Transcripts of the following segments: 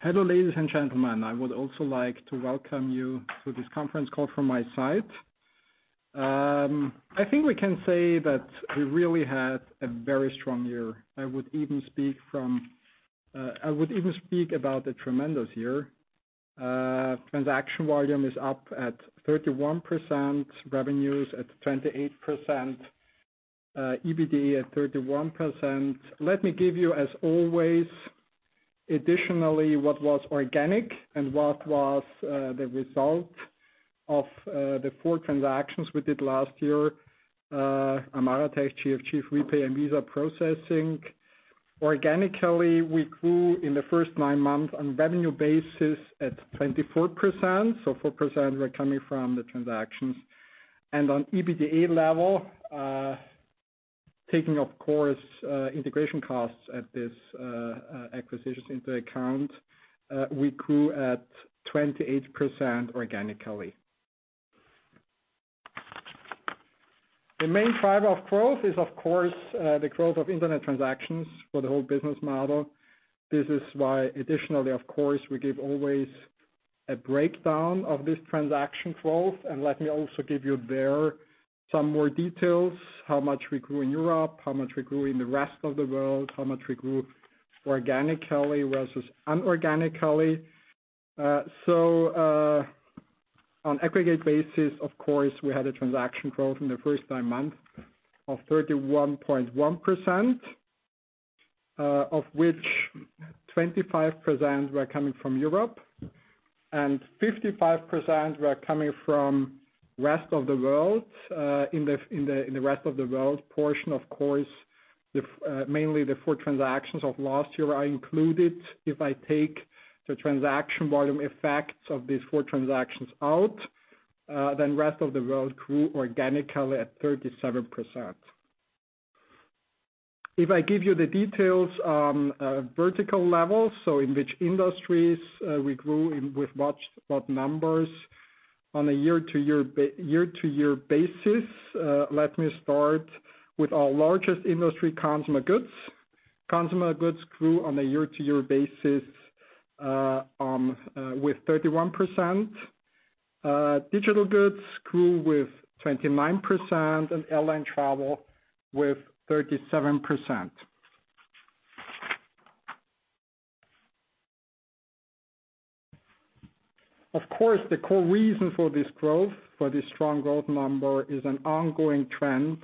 Hello, ladies and gentlemen. I would also like to welcome you to this conference call from my side. I think we can say that we really had a very strong year. I would even speak about a tremendous year. Transaction volume is up at 31%, revenues at 28%, EBITDA at 31%. Let me give you, as always, additionally what was organic and what was the result of the four transactions we did last year. Amadeus, Citi Prepaid, and Visa Processing. Organically, we grew in the first nine months on revenue basis at 24%, so 4% were coming from the transactions. On EBITDA level, taking, of course, integration costs at this acquisitions into account, we grew at 28% organically. The main driver of growth is, of course, the growth of internet transactions for the whole business model. This is why additionally, of course, we give always a breakdown of this transaction growth. Let me also give you there some more details, how much we grew in Europe, how much we grew in the rest of the world, how much we grew organically versus unorganically. On aggregate basis, of course, we had a transaction growth in the first nine months of 31.1%, of which 25% were coming from Europe and 55% were coming from rest of the world. In the rest of the world portion, of course, mainly the four transactions of last year are included. If I take the transaction volume effects of these four transactions out, then rest of the world grew organically at 37%. If I give you the details on a vertical level, so in which industries we grew, with what numbers on a year-to-year basis. Let me start with our largest industry, consumer goods. Consumer goods grew on a year-to-year basis with 31%. Digital goods grew with 29%, and airline travel with 37%. Of course, the core reason for this growth, for this strong growth number, is an ongoing trend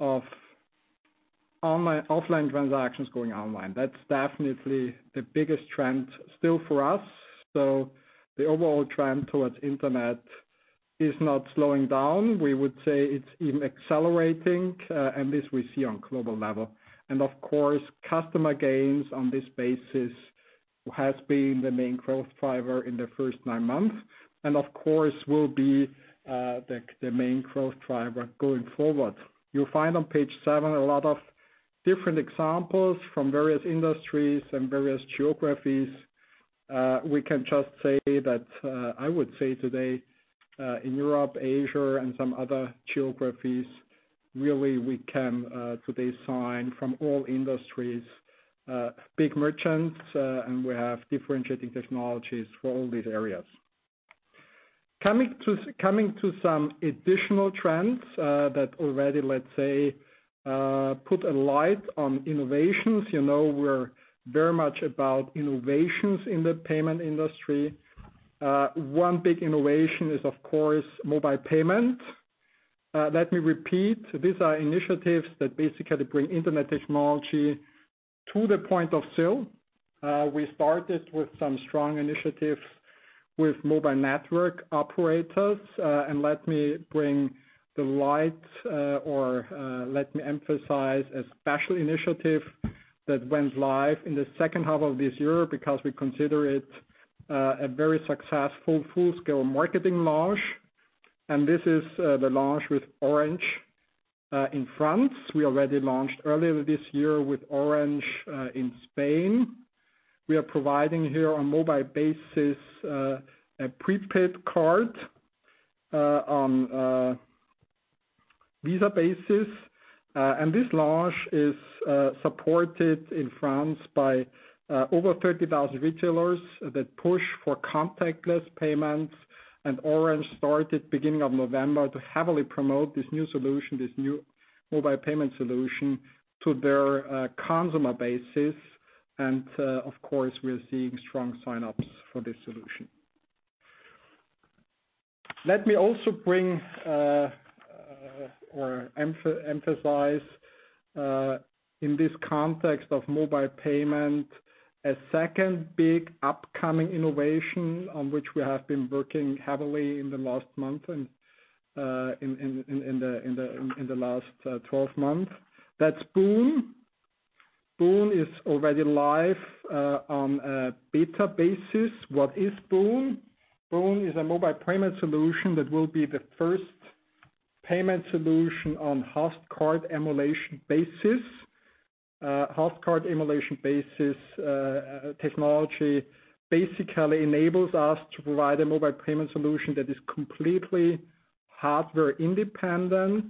of offline transactions going online. That's definitely the biggest trend still for us. The overall trend towards internet is not slowing down. We would say it's even accelerating, and this we see on global level. Of course, customer gains on this basis has been the main growth driver in the first nine months, and of course, will be the main growth driver going forward. You'll find on page seven a lot of different examples from various industries and various geographies. We can just say that, I would say today, in Europe, Asia, and some other geographies, really, we can today sign from all industries, big merchants, and we have differentiating technologies for all these areas. Coming to some additional trends, that already let's say, put a light on innovations. You know we're very much about innovations in the payment industry. One big innovation is, of course, mobile payment. Let me repeat, these are initiatives that basically bring internet technology to the point of sale. We started with some strong initiatives with mobile network operators. Let me bring to light, or let me emphasize a special initiative that went live in the second half of this year because we consider it a very successful full-scale marketing launch. This is the launch with Orange in France. We already launched earlier this year with Orange in Spain. We are providing here on mobile basis, a prepaid card on a Visa basis. This launch is supported in France by over 30,000 retailers that push for contactless payments. Orange started beginning of November to heavily promote this new solution, this new mobile payment solution to their consumer bases. Of course, we are seeing strong sign-ups for this solution. Let me also bring or emphasize, in this context of mobile payment, a second big upcoming innovation on which we have been working heavily in the last month and in the last 12 months. That is Boon. Boon is already live on a beta basis. What is Boon? Boon is a mobile payment solution that will be the first payment solution on host card emulation basis. Host card emulation basis technology basically enables us to provide a mobile payment solution that is completely hardware independent.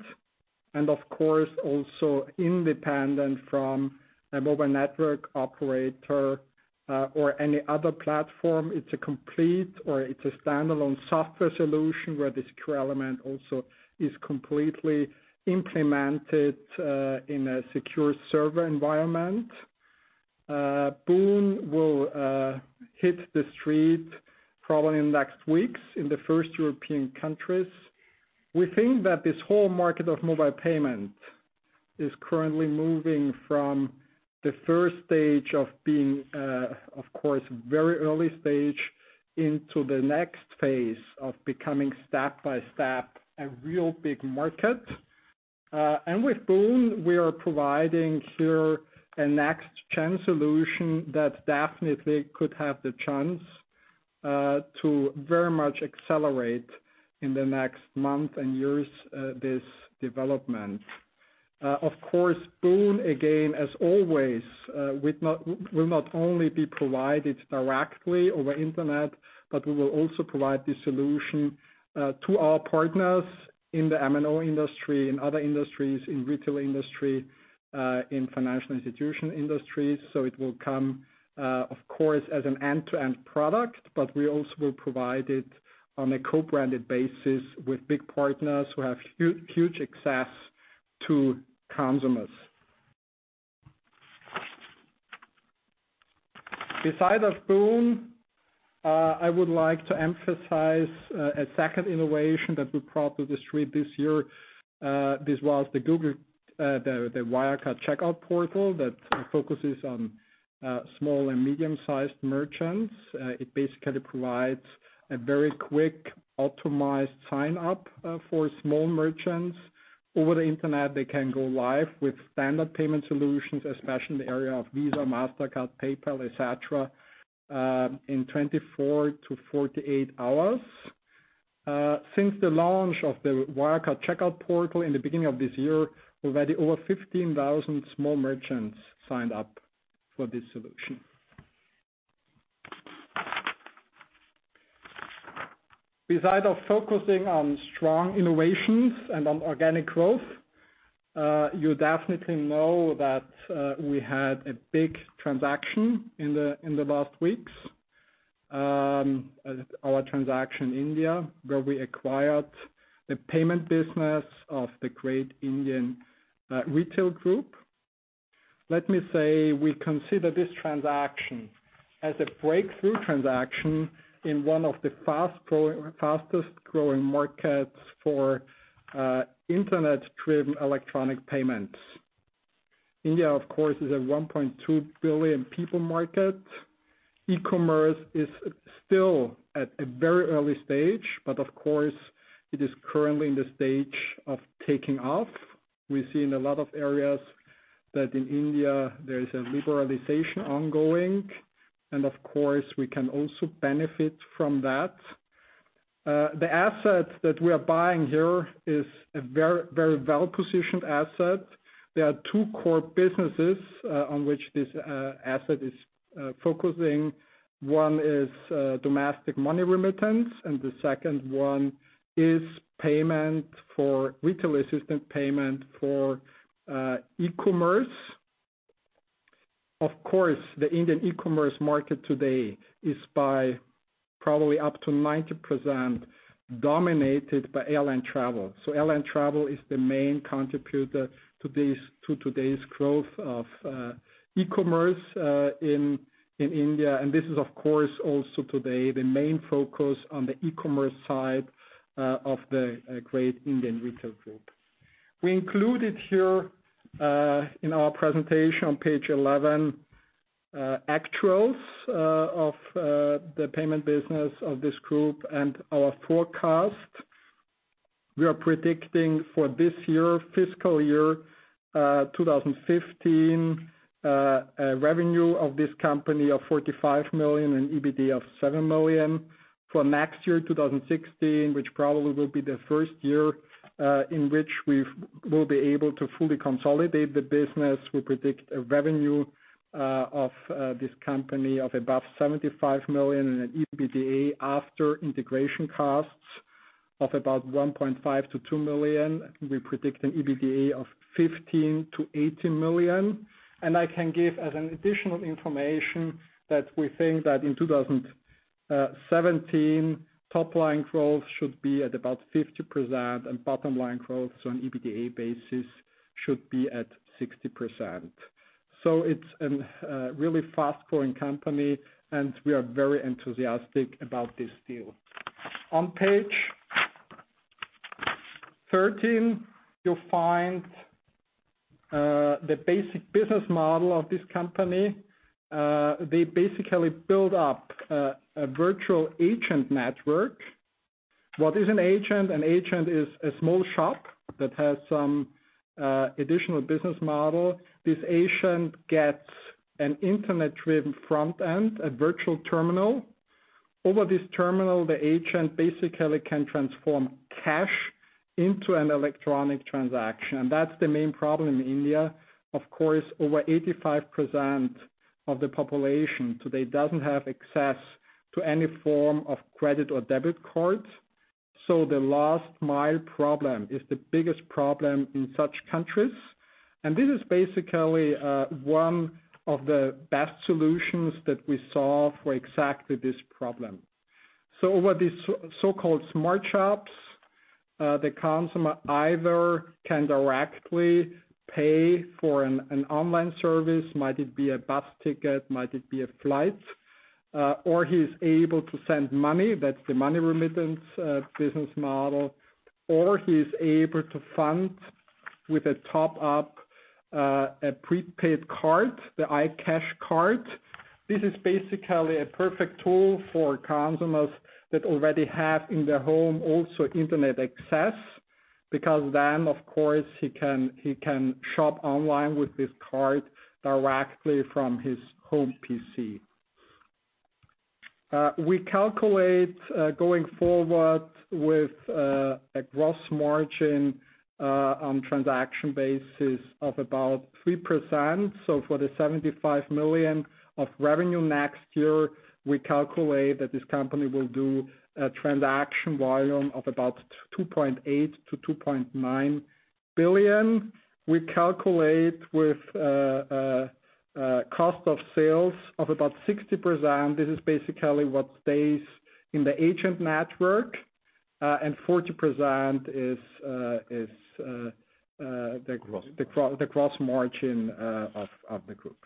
Of course, also independent from a mobile network operator, or any other platform. It is a complete or it is a standalone software solution where the secure element also is completely implemented in a secure server environment. Boon will hit the street probably in the next weeks in the first European countries. We think that this whole market of mobile payment is currently moving from the stage 1 of being, of course, very early stage, into the next phase of becoming step by step, a real big market. And with Boon, we are providing here a next-gen solution that definitely could have the chance to very much accelerate in the next month and years, this development. Of course, Boon, again, as always will not only be provided directly over internet, but we will also provide the solution to our partners in the MNO industry, in other industries, in retail industry, in financial institution industries. It will come, of course, as an end-to-end product, but we also will provide it on a co-branded basis with big partners who have huge access to consumers. Beside of Boon, I would like to emphasize a second innovation that we brought to the street this year. This was the Wirecard Checkout Portal that focuses on small and medium-sized merchants. It basically provides a very quick optimized sign-up for small merchants. Over the internet, they can go live with standard payment solutions, especially in the area of Visa, Mastercard, PayPal, et cetera, in 24 to 48 hours. Since the launch of the Wirecard Checkout Portal in the beginning of this year, already over 15,000 small merchants signed up for this solution. Beside of focusing on strong innovations and on organic growth, you definitely know that we had a big transaction in the last weeks. Our transaction India, where we acquired the payment business of the Great Indian Retail Group. Let me say, we consider this transaction as a breakthrough transaction in one of the fastest-growing markets for internet-driven electronic payments. India, of course, is a 1.2 billion people market. E-commerce is still at a very early stage, but of course, it is currently in the stage of taking off. We are seeing a lot of areas that in India there is a liberalization ongoing, and of course, we can also benefit from that. The asset that we are buying here is a very well-positioned asset. There are two core businesses, on which this asset is focusing. One is domestic money remittance, and the second one is payment for retail assistant payment for e-commerce. Of course, the Indian e-commerce market today is by probably up to 90% dominated by air and travel. So air and travel is the main contributor to today's growth of e-commerce in India. This is, of course, also today the main focus on the e-commerce side of the Great Indian Retail Group. We included here in our presentation on page 11, actuals of the payment business of this group and our forecast. We are predicting for this year, fiscal year 2015, a revenue of this company of 45 million and EBITDA of 7 million. For next year, 2016, which probably will be the first year in which we will be able to fully consolidate the business, we predict a revenue of this company of above 75 million and an EBITDA after integration costs of about 1.5 million to 2 million. We predict an EBITDA of 15 million to 18 million. I can give as an additional information that we think that in 2017, top line growth should be at about 50% and bottom line growth, so on EBITDA basis, should be at 60%. So it's a really fast-growing company, and we are very enthusiastic about this deal. On page 13, you'll find the basic business model of this company. They basically build up a virtual agent network. What is an agent? An agent is a small shop that has some additional business model. This agent gets an internet-driven front end, a virtual terminal. Over this terminal, the agent basically can transform cash into an electronic transaction. That's the main problem in India. Of course, over 85% of the population today doesn't have access to any form of credit or debit card. So the last mile problem is the biggest problem in such countries. This is basically one of the best solutions that we saw for exactly this problem. So over this so-called smart shops, the consumer either can directly pay for an online service, might it be a bus ticket, might it be a flight, or he's able to send money, that's the money remittance business model. Or he is able to fund with a top up, a prepaid card, the iCash card. This is basically a perfect tool for consumers that already have in their home also internet access, because then of course he can shop online with this card directly from his home PC. We calculate, going forward, with a gross margin on transaction basis of about 3%. So for the 75 million of revenue next year, we calculate that this company will do a transaction volume of about 2.8 billion to 2.9 billion. We calculate with cost of sales of about 60%. This is basically what stays in the agent network. 40% is- The gross margin The gross margin of the group.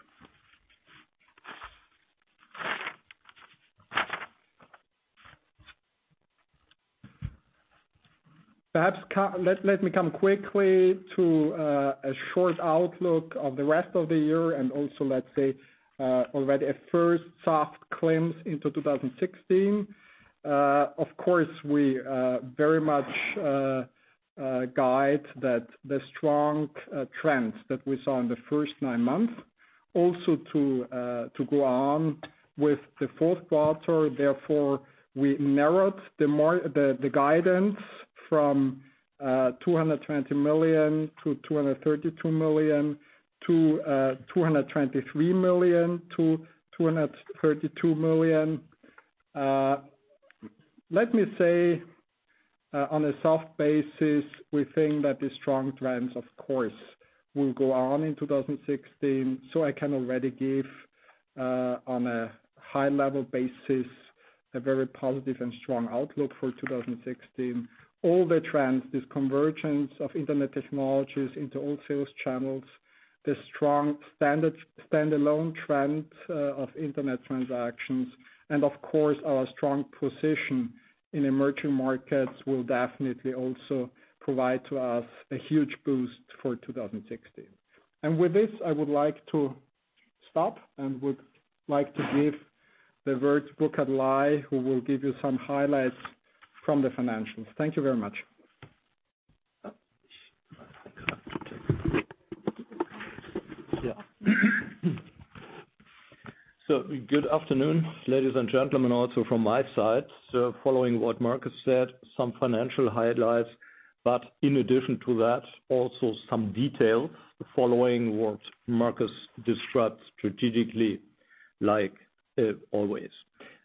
Perhaps, let me come quickly to a short outlook of the rest of the year and already a first soft glimpse into 2016. Of course, we very much guide that the strong trends that we saw in the first nine months also to go on with the fourth quarter. Therefore, we narrowed the guidance from 220 million-232 million to 223 million-232 million. Let me say, on a soft basis, we think that the strong trends, of course, will go on in 2016. I can already give, on a high-level basis, a very positive and strong outlook for 2016. All the trends, this convergence of internet technologies into all sales channels, the strong standalone trend of internet transactions. Of course, our strong position in emerging markets will definitely also provide to us a huge boost for 2016. With this, I would like to stop and would like to give the word to Burkhard Ley, who will give you some highlights from the financials. Thank you very much. Good afternoon, ladies and gentlemen, also from my side. Following what Markus said, some financial highlights, but in addition to that, also some detail following what Markus described strategically, like always.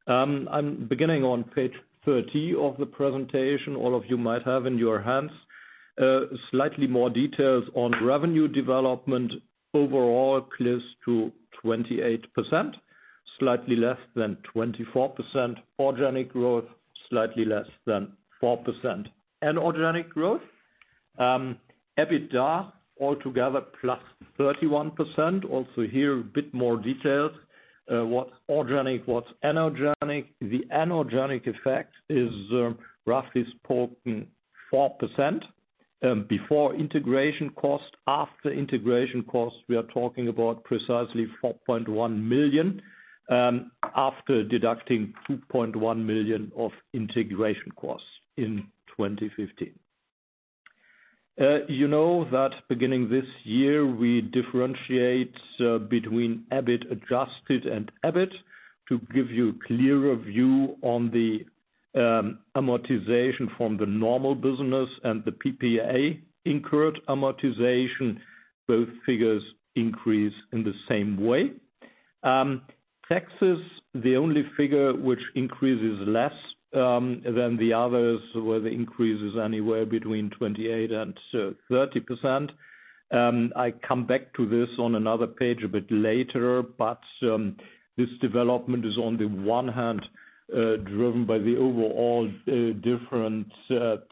I'm beginning on page 30 of the presentation, all of you might have in your hands. Slightly more details on revenue development. Overall close to 28%, slightly less than 24% organic growth, slightly less than 4% anorganic growth. EBITDA all together +31%. Also here a bit more details. What's organic, what's anorganic. The anorganic effect is, roughly spoken, 4% before integration cost. After integration cost, we are talking about precisely 4.1 million, after deducting 2.1 million of integration costs in 2015. You know that beginning this year, we differentiate between EBIT adjusted and EBIT to give you a clearer view on the amortization from the normal business and the PPA incurred amortization. Both figures increase in the same way. Taxes, the only figure which increases less than the others, where the increase is anywhere between 28% and 30%. This development is on the one hand driven by the overall different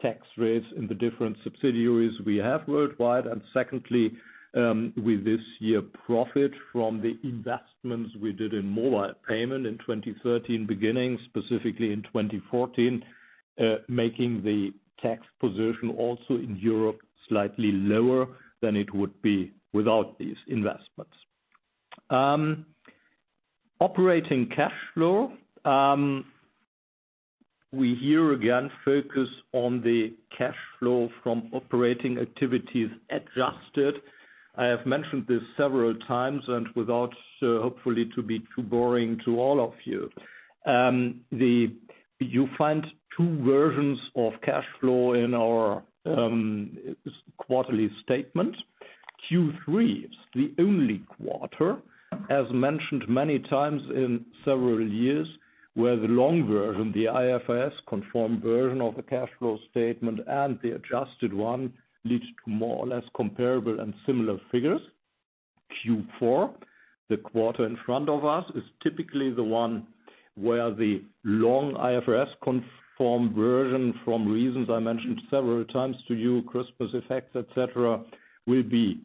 tax rates in the different subsidiaries we have worldwide. Secondly, with this year profit from the investments we did in mobile payment in 2013, beginning specifically in 2014, making the tax position also in Europe slightly lower than it would be without these investments. Operating cash flow. We here again focus on the cash flow from operating activities adjusted. I have mentioned this several times and without hopefully to be too boring to all of you. You find two versions of cash flow in our quarterly statement Q3 is the only quarter, as mentioned many times in several years, where the long version, the IFRS-conformed version of the cash flow statement and the adjusted one leads to more or less comparable and similar figures. Q4, the quarter in front of us, is typically the one where the long IFRS-conformed version, from reasons I mentioned several times to you, Christmas effects, et cetera, will be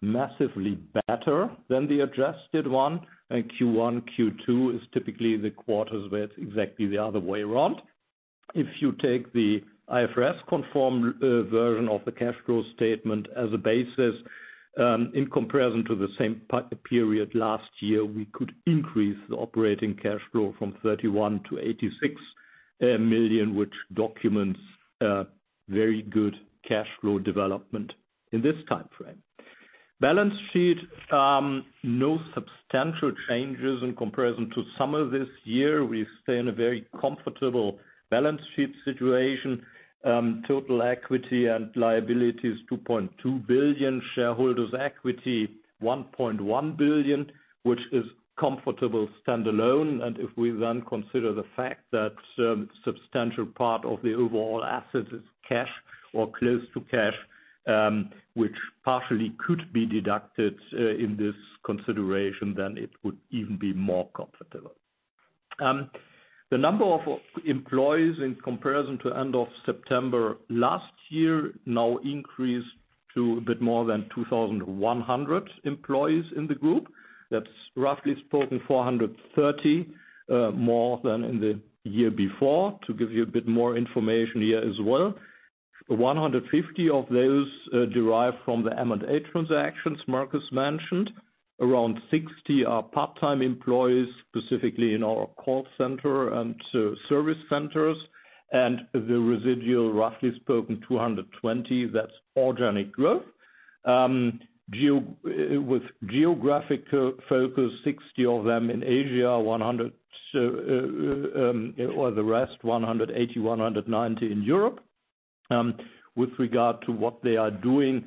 massively better than the adjusted one. Q1, Q2 is typically the quarters where it's exactly the other way around. If you take the IFRS-conformed version of the cash flow statement as a basis, in comparison to the same period last year, we could increase the operating cash flow from 31 million to 86 million, which documents very good cash flow development in this timeframe. Balance sheet, no substantial changes in comparison to summer of this year. We stay in a very comfortable balance sheet situation. Total equity and liability is 2.2 billion. Shareholders' equity, 1.1 billion, which is comfortable standalone. If we then consider the fact that substantial part of the overall asset is cash or close to cash, which partially could be deducted in this consideration, then it would even be more comfortable. The number of employees, in comparison to end of September last year, now increased to a bit more than 2,100 employees in the group. That's roughly spoken 430 more than in the year before. To give you a bit more information here as well, 150 of those derive from the M&A transactions Markus mentioned. Around 60 are part-time employees, specifically in our call center and service centers. The residual, roughly spoken, 220, that's organic growth. With geographic focus, 60 of them in Asia, the rest, 180, 190, in Europe. With regard to what they are doing,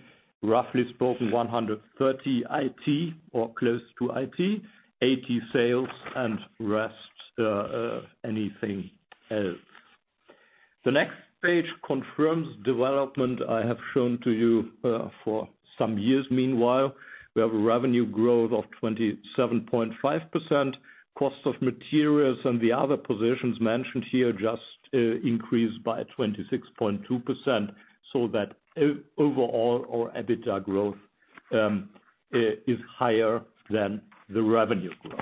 roughly spoken, 130 IT or close to IT, 80 sales, and the rest anything else. The next page confirms development I have shown to you for some years, meanwhile. We have a revenue growth of 27.5%. Cost of materials and the other positions mentioned here just increased by 26.2%, so that overall our EBITDA growth is higher than the revenue growth.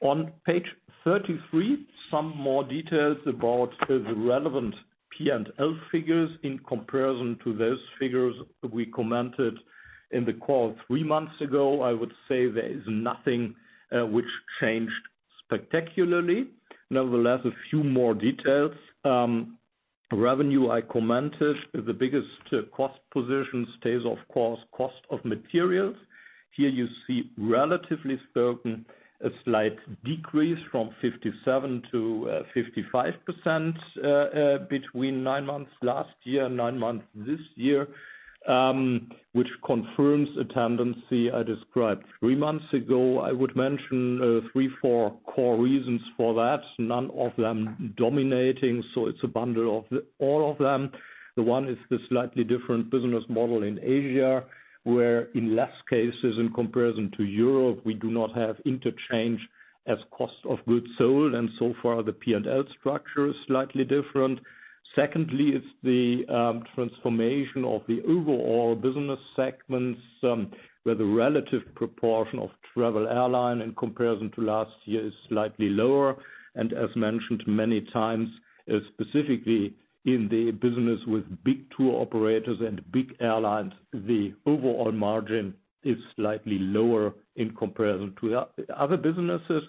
On page 33, some more details about the relevant P&L figures in comparison to those figures we commented in the call three months ago. I would say there is nothing which changed spectacularly. Nevertheless, a few more details. Revenue, I commented. The biggest cost position stays, of course, cost of materials. Here you see, relatively spoken, a slight decrease from 57% to 55% between nine months last year and nine months this year, which confirms a tendency I described three months ago. I would mention three, four core reasons for that, none of them dominating, so it's a bundle of all of them. One is the slightly different business model in Asia, where in less cases in comparison to Europe, we do not have interchange as cost of goods sold, and so far the P&L structure is slightly different. Secondly, it's the transformation of the overall business segments, where the relative proportion of travel airline in comparison to last year is slightly lower. As mentioned many times, specifically in the business with big tour operators and big airlines, the overall margin is slightly lower in comparison to other businesses.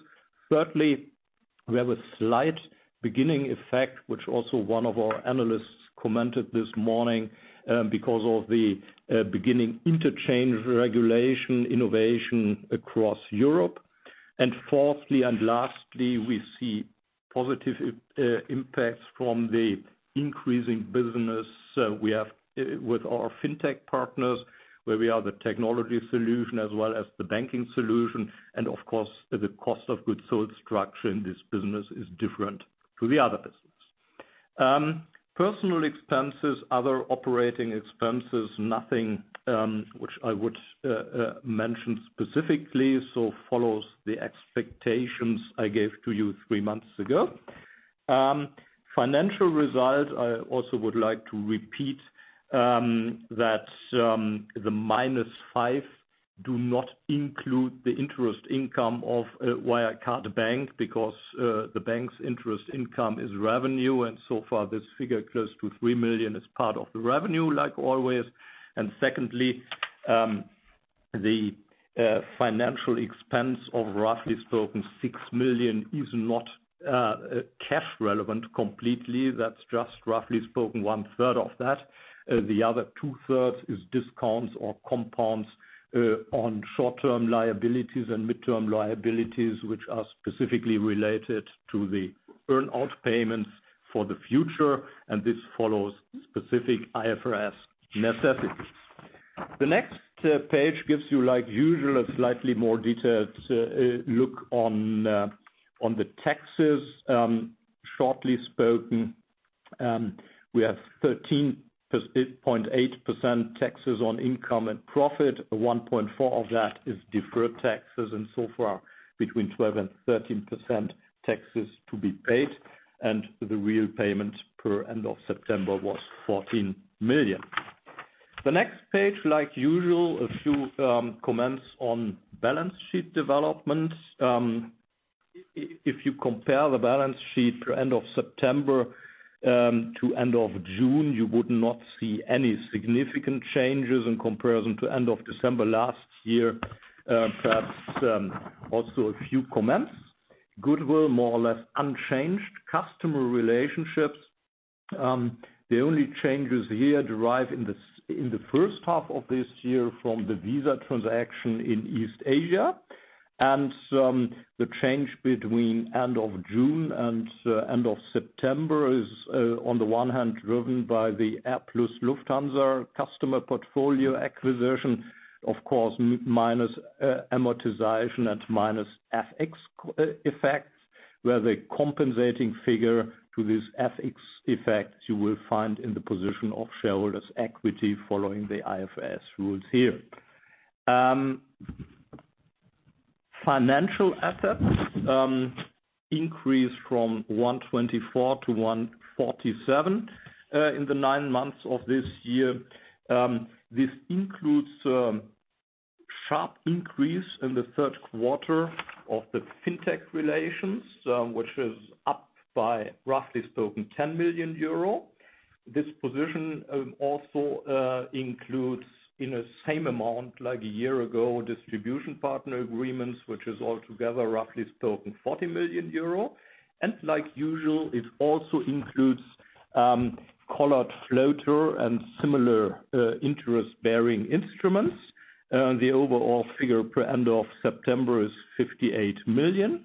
Secondly, we have a slight beginning effect, which also one of our analysts commented this morning, because of the beginning Interchange Fee Regulation across Europe. Fourthly and lastly, we see positive impacts from the increasing business we have with our fintech partners, where we are the technology solution as well as the banking solution. Of course, the cost of goods sold structure in this business is different to the other business. Personal expenses, other operating expenses, nothing which I would mention specifically, so follows the expectations I gave to you three months ago. Financial result, I also would like to repeat that the minus five do not include the interest income of Wirecard Bank because the bank's interest income is revenue, and so far this figure, close to 3 million, is part of the revenue like always. Secondly, the financial expense of roughly spoken 6 million is not cash relevant completely. That's just roughly spoken one third of that. The other two thirds is discounts or compounds on short-term liabilities and midterm liabilities, which are specifically related to the earn-out payments for the future, and this follows specific IFRS necessities. The next page gives you, like usual, a slightly more detailed look on the taxes. Shortly spoken, we have 13.8% taxes on income and profit. 1.4 of that is deferred taxes, and so far between 12% and 13% taxes to be paid. The real payment per end of September was 14 million. The next page, like usual, a few comments on balance sheet developments. If you compare the balance sheet for end of September to end of June, you would not see any significant changes in comparison to end of December last year. Perhaps also a few comments. Goodwill, more or less unchanged. Customer relationships, the only changes here derive in the first half of this year from the Visa transaction in East Asia. The change between end of June and end of September is, on the one hand, driven by the AirPlus International customer portfolio acquisition. Of course, minus amortization and minus FX effects, where the compensating figure to this FX effect you will find in the position of shareholders' equity following the IFRS rules here. Financial assets increased from 124 to 147 in the nine months of this year. This includes a sharp increase in the third quarter of the fintech relations, which is up by, roughly spoken, 10 million euro. This position also includes, in a same amount like a year ago, distribution partner agreements, which is altogether, roughly spoken, 40 million euro. Like usual, it also includes collared floater and similar interest-bearing instruments. The overall figure per end of September is 58 million.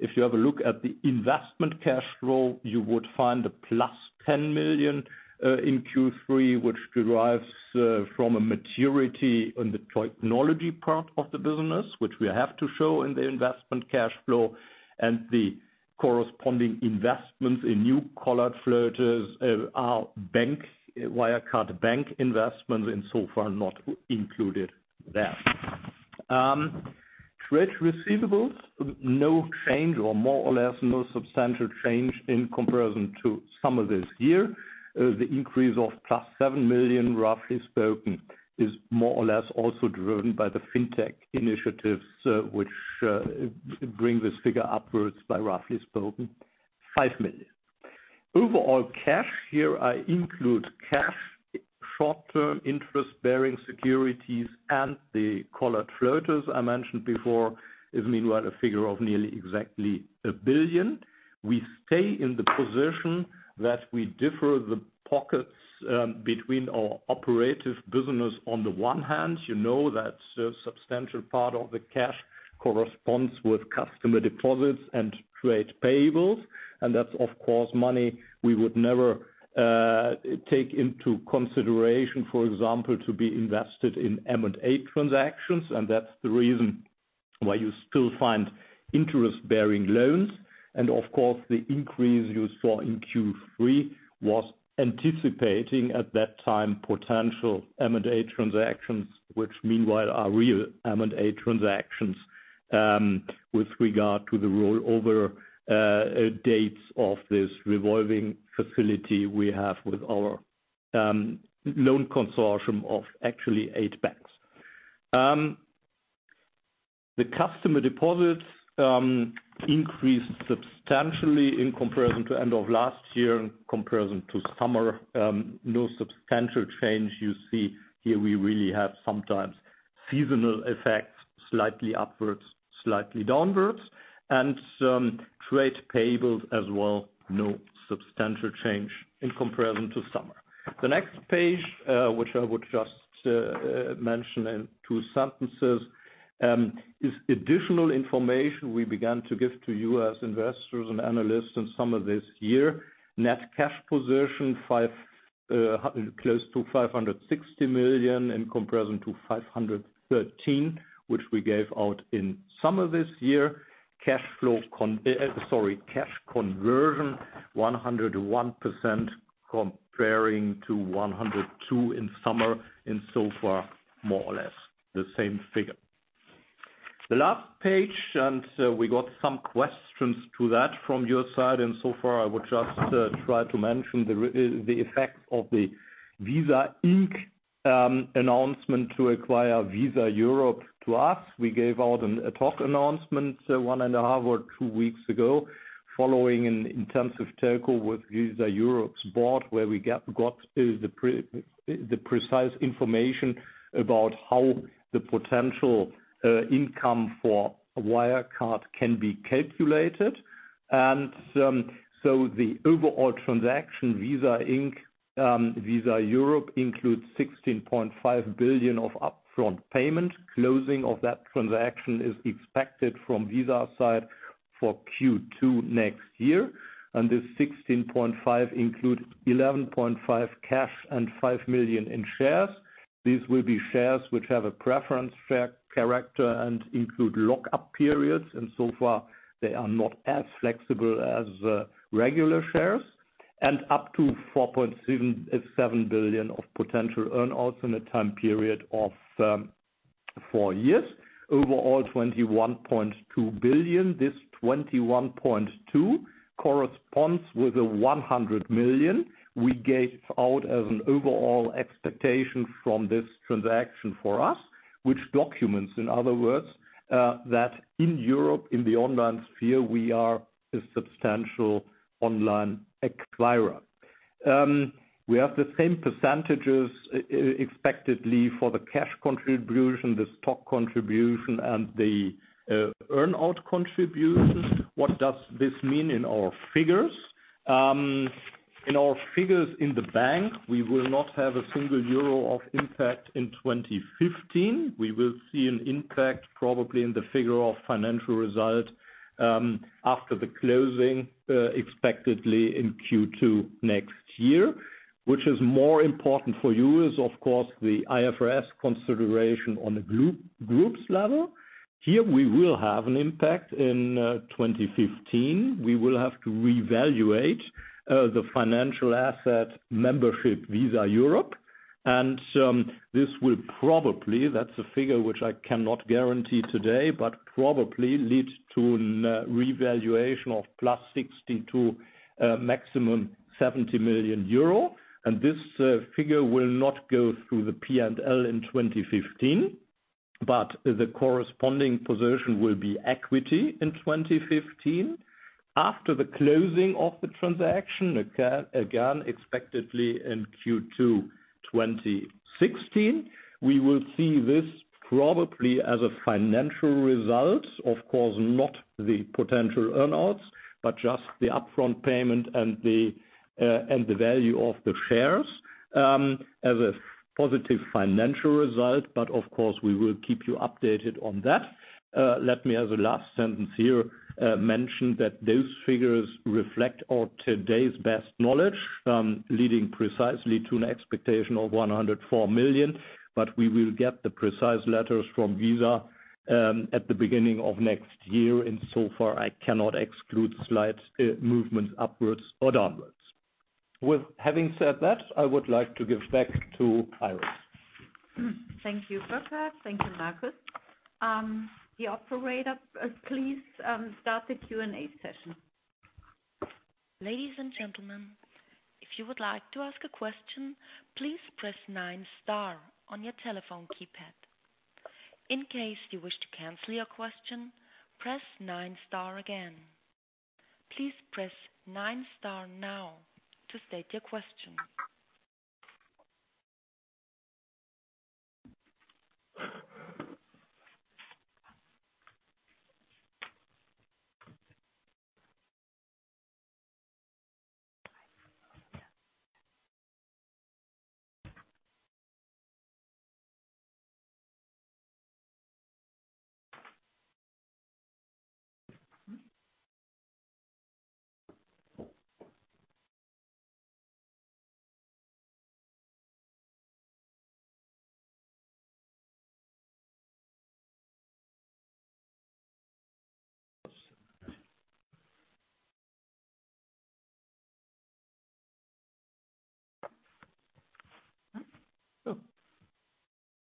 If you have a look at the investment cash flow, you would find a plus 10 million in Q3, which derives from a maturity in the technology part of the business, which we have to show in the investment cash flow and the corresponding investments in new collared floaters are Wirecard Bank investments and so far not included there. Trade receivables, no change or more or less no substantial change in comparison to summer of this year. The increase of plus 7 million, roughly spoken, is more or less also driven by the fintech initiatives, which bring this figure upwards by roughly spoken 5 million. Overall cash, here I include cash, short-term interest-bearing securities, and the collared floaters I mentioned before is meanwhile a figure of nearly exactly 1 billion. We stay in the position that we differ the pockets between our operative business. On the one hand, you know that a substantial part of the cash corresponds with customer deposits and trade payables. That's of course money we would never take into consideration, for example, to be invested in M&A transactions. That's the reason why you still find interest-bearing loans. Of course, the increase you saw in Q3 was anticipating, at that time, potential M&A transactions, which meanwhile are real M&A transactions with regard to the rollover dates of this revolving facility we have with our loan consortium of actually eight banks. The customer deposits increased substantially in comparison to end of last year. In comparison to summer, no substantial change you see here. We really have sometimes seasonal effects, slightly upwards, slightly downwards. Trade payables as well, no substantial change in comparison to summer. The next page, which I would just mention in two sentences, is additional information we began to give to you as investors and analysts in summer of this year. Net cash position, close to 560 million in comparison to 513 million, which we gave out in summer this year. Cash conversion, 101% comparing to 102% in summer, so far, more or less the same figure. The last page, we got some questions to that from your side. So far, I would just try to mention the effects of the Visa Inc. announcement to acquire Visa Europe to us. We gave out an ad hoc announcement one and a half or two weeks ago following an intensive telco with Visa Europe's board, where we got the precise information about how the potential income for Wirecard can be calculated. The overall transaction, Visa Inc.-Visa Europe, includes 16.5 billion of upfront payment. Closing of that transaction is expected from Visa side for Q2 next year. This 16.5 billion include 11.5 billion cash and 5 million in shares. These will be shares which have a preference share character and include lock-up periods. So far, they are not as flexible as regular shares. Up to 4.7 billion of potential earn-outs in a time period of four years. Overall, 21.2 billion. This 21.2 corresponds with the 100 million we gave out as an overall expectation from this transaction for us, which documents, in other words, that in Europe, in the online sphere, we are a substantial online acquirer. We have the same percentages expectedly for the cash contribution, the stock contribution, and the earn-out contribution. What does this mean in our figures? In our figures in the bank, we will not have a single EUR of impact in 2015. We will see an impact probably in the figure of financial result after the closing, expectedly in Q2 next year. Which is more important for you is of course the IFRS consideration on the group's level. Here we will have an impact in 2015. We will have to revaluate the financial asset membership Visa Europe, this will probably, that's a figure which I cannot guarantee today, but probably lead to a revaluation of plus 60 million to maximum 70 million euro. This figure will not go through the P&L in 2015, but the corresponding position will be equity in 2015. After the closing of the transaction, again, expectedly in Q2 2016, we will see this probably as a financial result, of course, not the potential earn-outs, but just the upfront payment and the value of the shares, as a positive financial result. Of course, we will keep you updated on that. Let me, as a last sentence here, mention that those figures reflect our today's best knowledge, leading precisely to an expectation of 104 million, but we will get the precise letters from Visa at the beginning of next year. So far, I cannot exclude slight movements upwards or downwards. With having said that, I would like to give back to Iris. Thank you, Bukhard. Thank you, Markus. The operator, please start the Q&A session. Ladies and gentlemen, if you would like to ask a question, please press nine star on your telephone keypad. In case you wish to cancel your question, press nine star again. Please press nine star now to state your question.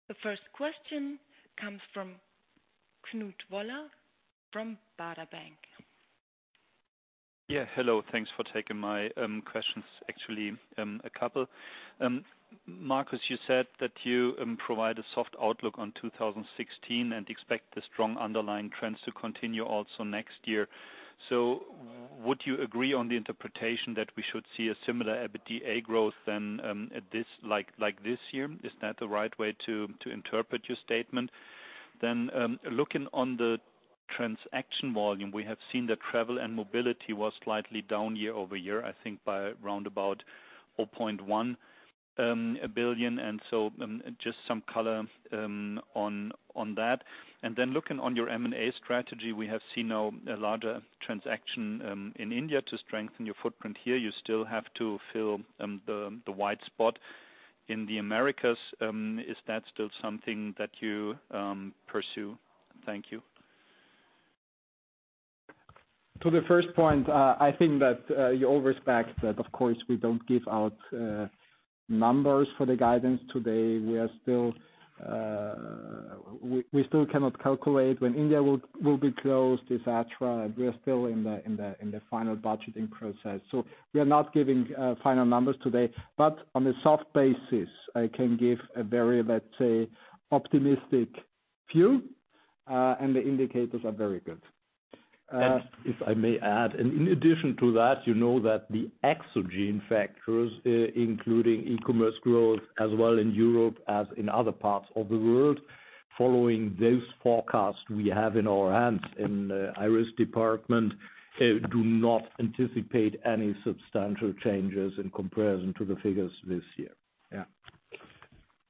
The first question comes from Knut Woller, from Baader Bank. Yeah, hello. Thanks for taking my questions, actually, a couple. Markus, you said that you provide a soft outlook on 2016 and expect the strong underlying trends to continue also next year. Would you agree on the interpretation that we should see a similar EBITDA growth than like this year? Is that the right way to interpret your statement? Looking on the transaction volume, we have seen that travel and mobility was slightly down year-over-year, I think by around about 4.1 billion. Just some color on that. Looking on your M&A strategy, we have seen now a larger transaction in India to strengthen your footprint here. You still have to fill the white spot in the Americas. Is that still something that you pursue? Thank you. To the first point, I think that you always back that, of course, we don't give out numbers for the guidance today. We still cannot calculate when India will be closed, et cetera. We're still in the final budgeting process. We are not giving final numbers today, but on a soft basis, I can give a very, let's say, optimistic view, and the indicators are very good. If I may add, in addition to that, you know that the exogenous factors, including e-commerce growth as well in Europe as in other parts of the world. Following those forecasts we have in our hands in the IR department, do not anticipate any substantial changes in comparison to the figures this year.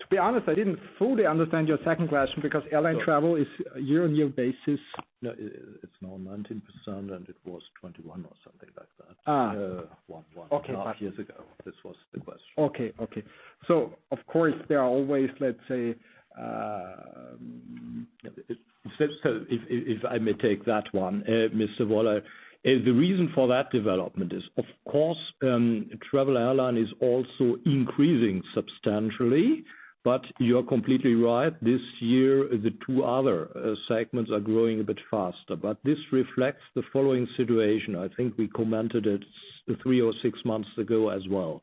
To be honest, I didn't fully understand your second question because airline travel is a year-on-year basis. It's now 19%, and it was 21% or something like that one-and-a-half years ago. This was the question. Of course there are always, let's say. If I may take that one, Mr. Woller. The reason for that development is, of course, airline travel is also increasing substantially. You're completely right, this year, the two other segments are growing a bit faster. This reflects the following situation. I think we commented it 3 or 6 months ago as well.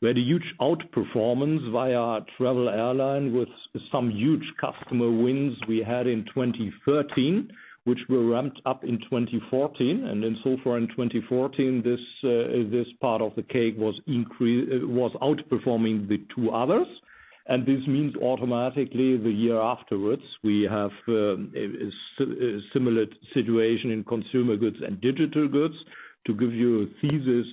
We had a huge outperformance via our airline travel with some huge customer wins we had in 2013, which were ramped up in 2014. So far in 2014, this part of the cake was outperforming the two others. This means automatically the year afterwards, we have a similar situation in consumer goods and digital goods. To give you a thesis,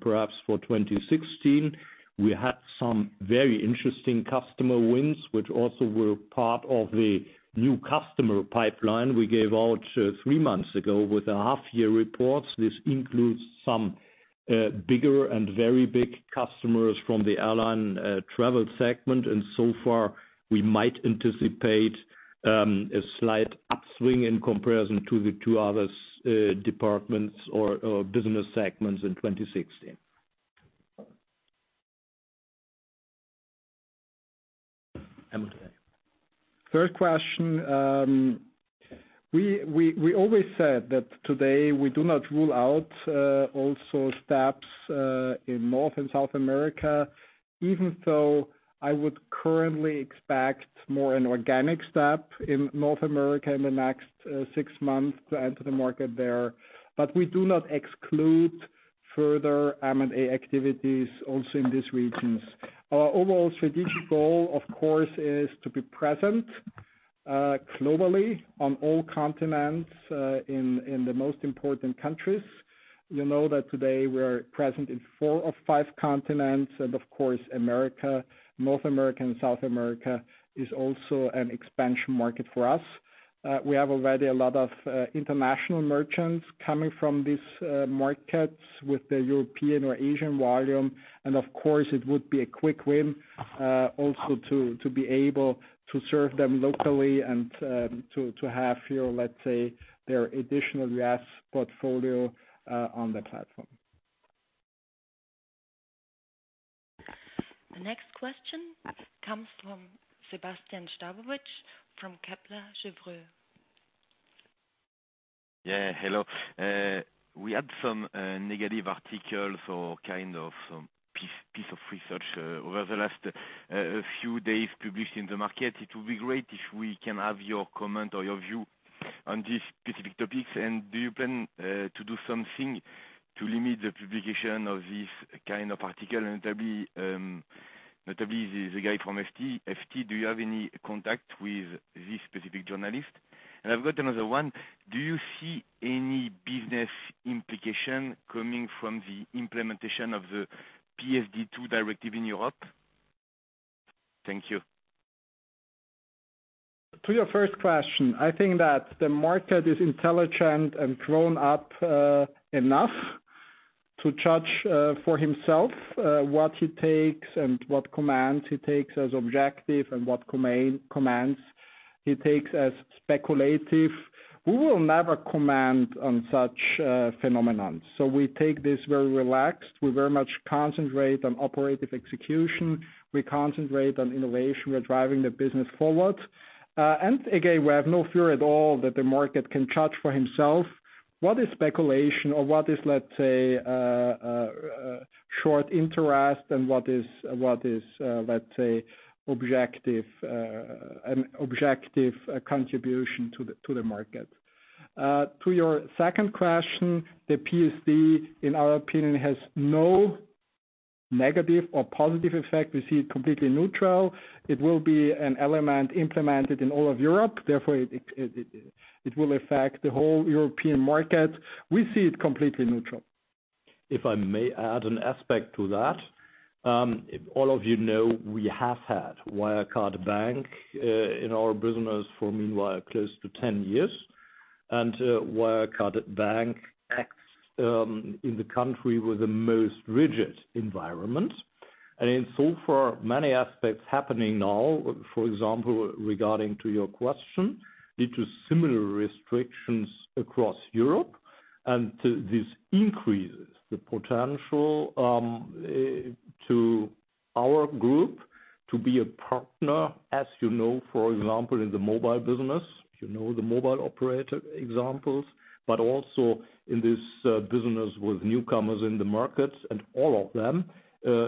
perhaps for 2016, we had some very interesting customer wins, which also were part of the new customer pipeline we gave out 3 months ago with a half-year report. This includes some bigger and very big customers from the airline travel segment. We might anticipate a slight upswing in comparison to the two other departments or business segments in 2016. Third question. We always said that today we do not rule out also steps in North and South America, even though I would currently expect more an organic step in North America in the next 6 months to enter the market there. We do not exclude further M&A activities also in these regions. Our overall strategic goal, of course, is to be present globally on all continents, in the most important countries. You know that today we're present in 4 of 5 continents. North America and South America is also an expansion market for us. We have already a lot of international merchants coming from these markets with the European or Asian volume. It would be a quick win, also to be able to serve them locally and to have your, let's say, their additional U.S. portfolio on the platform. The next question comes from Sebastien Sztabowicz from Kepler Cheuvreux. Hello. We had some negative articles or kind of piece of research over the last few days published in the market. It would be great if we can have your comment or your view on these specific topics. Do you plan to do something to limit the publication of this kind of article? Notably, the guy from FT. Do you have any contact with this specific journalist? I've got another one. Do you see any business implication coming from the implementation of the PSD2 directive in Europe? Thank you. To your first question, I think that the market is intelligent and grown up enough to judge for himself what he takes and what commands he takes as objective and what commands he takes as speculative. We will never comment on such phenomenon. We take this very relaxed. We very much concentrate on operative execution. We concentrate on innovation. We are driving the business forward. Again, we have no fear at all that the market can judge for himself what is speculation or what is, let's say, short interest and what is, let's say, an objective contribution to the market. To your second question, the PSD, in our opinion, has no negative or positive effect. We see it completely neutral. It will be an element implemented in all of Europe, therefore it will affect the whole European market. We see it completely neutral. If I may add an aspect to that. All of you know we have had Wirecard Bank in our business for meanwhile close to 10 years. Wirecard Bank acts in the country with the most rigid environment. In so far, many aspects happening now, for example, regarding to your question, lead to similar restrictions across Europe, and this increases the potential to our group to be a partner, as you know, for example, in the mobile business, you know the mobile operator examples. Also in this business with newcomers in the markets, and all of them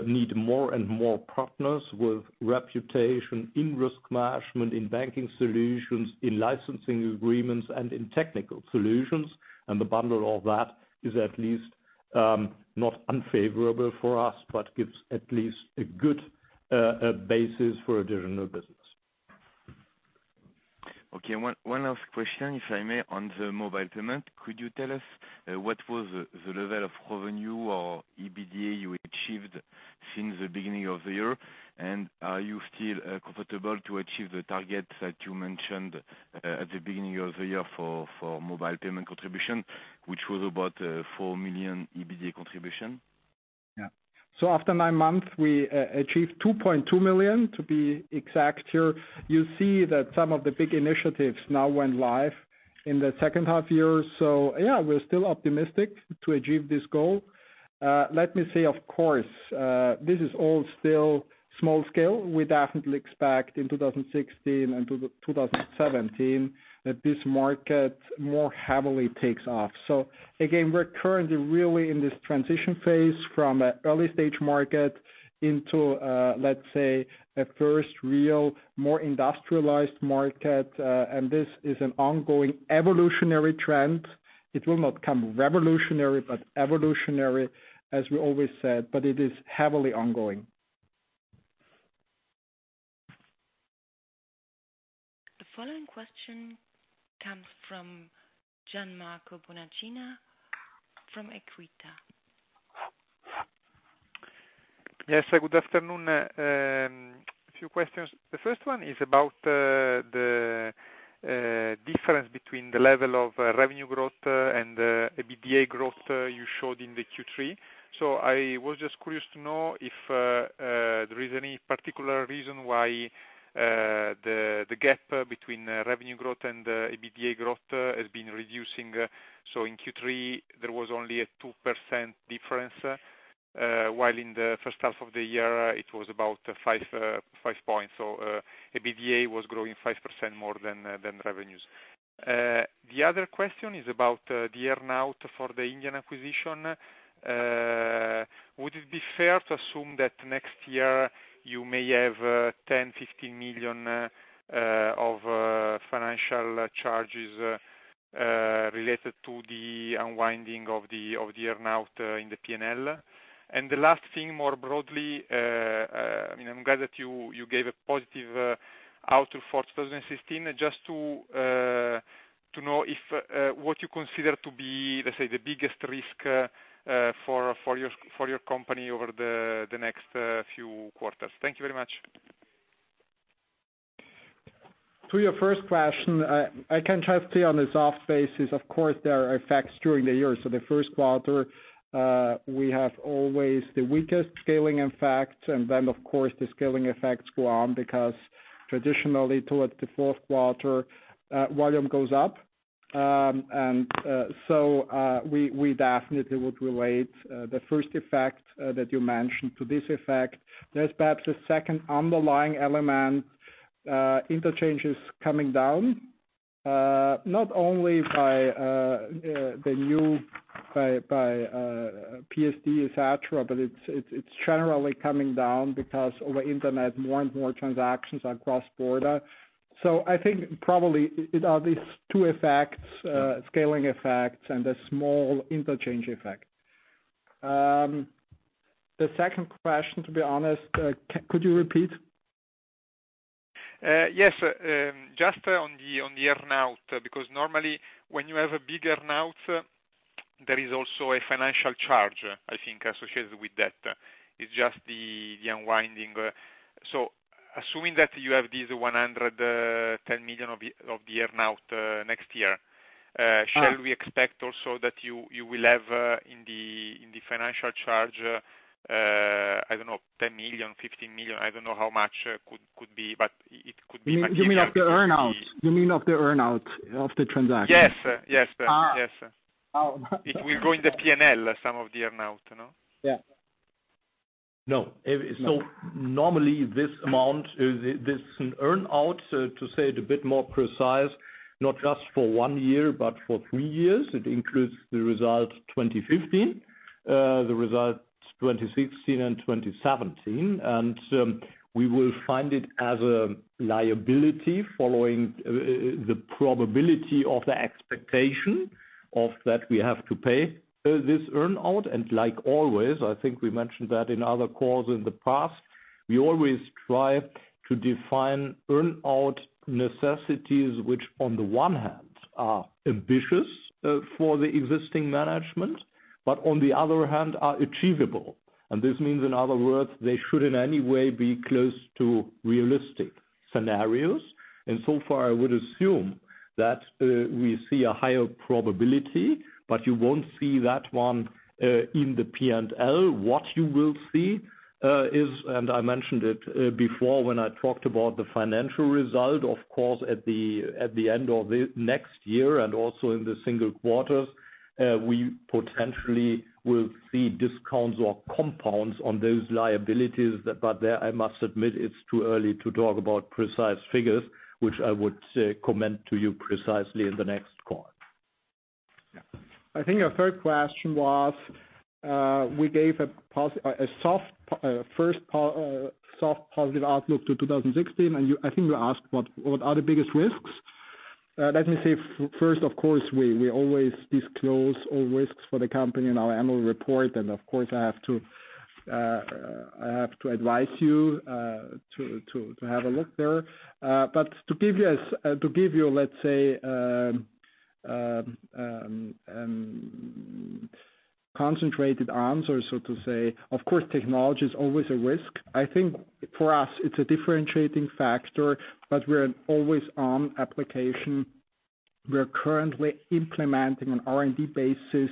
need more and more partners with reputation in risk management, in banking solutions, in licensing agreements, and in technical solutions. The bundle of that is at least not unfavorable for us, but gives at least a good basis for additional business. Okay. One last question, if I may, on the mobile payment. Could you tell us what was the level of revenue or EBITDA you achieved since the beginning of the year? Are you still comfortable to achieve the targets that you mentioned at the beginning of the year for mobile payment contribution, which was about 4 million EBITDA contribution? After nine months, we achieved 2.2 million, to be exact here. You see that some of the big initiatives now went live in the second half-year. Yeah, we're still optimistic to achieve this goal. Let me say, of course, this is all still small scale. We definitely expect in 2016 and 2017 that this market more heavily takes off. Again, we're currently really in this transition phase from an early-stage market into, let's say, a first real, more industrialized market. This is an ongoing evolutionary trend. It will not come revolutionary, but evolutionary, as we always said, but it is heavily ongoing. The following question comes from Gianmarco Bonacina from Equita. Yes, good afternoon. A few questions. The first one is about the difference between the level of revenue growth and the EBITDA growth you showed in the Q3. I was just curious to know if there is any particular reason why the gap between revenue growth and EBITDA growth has been reducing. In Q3, there was only a 2% difference, while in the first half of the year, it was about 5 points. EBITDA was growing 5% more than revenues. The other question is about the earn-out for the Indian acquisition. Would it be fair to assume that next year you may have 10 million-15 million of financial charges related to the unwinding of the earn-out in the P&L? The last thing, more broadly, I'm glad that you gave a positive outlook for 2016. Just to know what you consider to be, let's say, the biggest risk for your company over the next few quarters. Thank you very much. To your first question, I can tell you on a soft basis, of course, there are effects during the year. The first quarter, we have always the weakest scaling effects, then of course, the scaling effects go on because traditionally towards the fourth quarter, volume goes up. We definitely would relate the first effect that you mentioned to this effect. There's perhaps a second underlying element. Interchange is coming down, not only by the new PSD, et cetera, but it's generally coming down because over internet, more and more transactions are cross-border. I think probably it are these two effects, scaling effects, and the small interchange effect. The second question, to be honest, could you repeat? Yes. Just on the earn-out, because normally when you have a big earn-out, there is also a financial charge, I think, associated with that. It's just the unwinding. Assuming that you have this 110 million of the earn-out next year. shall we expect also that you will have in the financial charge, I don't know, 10 million, 15 million? I don't know how much could be, but it could be. You mean of the earn-out of the transaction? Yes. It will go in the P&L, some of the earn-out, no? Yeah. No. No. Normally this earn-out, to say it a bit more precise, not just for one year, but for three years. It includes the result 2015, the results 2016 and 2017, we will find it as a liability following the probability of the expectation of that we have to pay this earn-out. Like always, I think we mentioned that in other calls in the past, we always try to define earn-out necessities, which on the one hand are ambitious for the existing management, on the other hand are achievable. This means, in other words, they should in any way be close to realistic scenarios. So far, I would assume that we see a higher probability, you won't see that one in the P&L. What you will see is, I mentioned it before when I talked about the financial result, of course, at the end of next year and also in the single quarters, we potentially will see discounts or compounds on those liabilities. There, I must admit, it's too early to talk about precise figures, which I would comment to you precisely in the next call. Yeah. I think your third question was, we gave a first soft positive outlook to 2016, I think you asked what are the biggest risks. Let me say first, of course, we always disclose all risks for the company in our annual report, of course, I have to advise you to have a look there. To give you, let's say, concentrated answer, so to say, of course, technology is always a risk. I think for us it's a differentiating factor, but we're an always-on application. We're currently implementing an R&D basis,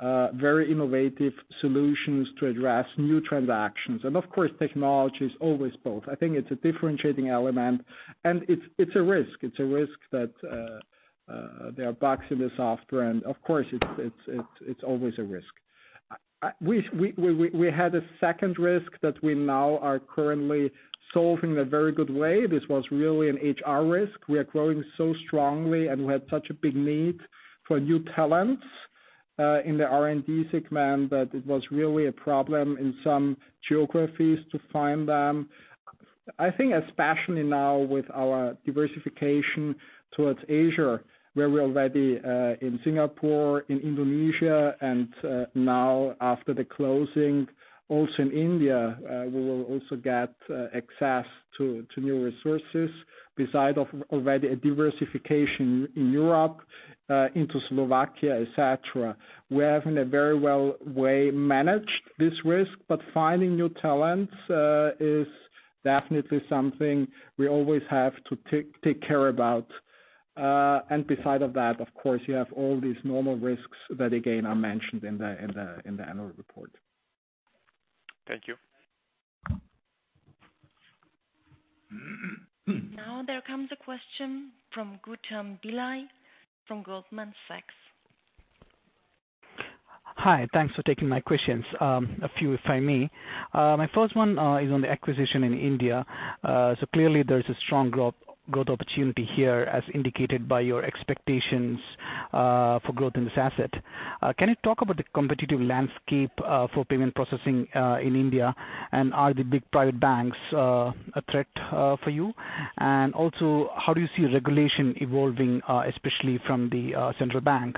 very innovative solutions to address new transactions. Of course, technology is always both. I think it's a differentiating element, and it's a risk. It's a risk that there are bugs in the software. Of course, it's always a risk. We had a second risk that we now are currently solving in a very good way. This was really an HR risk. We are growing so strongly, and we had such a big need for new talents, in the R&D segment, that it was really a problem in some geographies to find them. I think especially now with our diversification towards Asia, where we're already in Singapore, in Indonesia, and now after the closing, also in India, we will also get access to new resources beside of already a diversification in Europe, into Slovakia, et cetera. We have, in a very well way, managed this risk, but finding new talents is definitely something we always have to take care about. Beside of that, of course, you have all these normal risks that, again, are mentioned in the annual report. Thank you. There comes a question from Gautam Dhilai, from Goldman Sachs. Hi. Thanks for taking my questions. A few, if I may. My first one is on the acquisition in India. Clearly there's a strong growth opportunity here, as indicated by your expectations for growth in this asset. Can you talk about the competitive landscape for payment processing in India, and are the big private banks a threat for you? Also, how do you see regulation evolving, especially from the central bank?